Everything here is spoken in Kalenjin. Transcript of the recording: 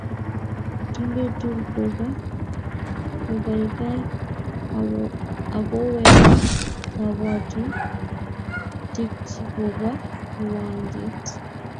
Kingetur kokaikai akowek kabwatutikchi kobwa kiwanjet